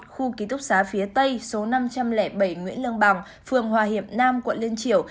khu ký túc xá phía tây số năm trăm linh bảy nguyễn lương bằng phường hòa hiệp nam quận liên triều